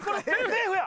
セーフや！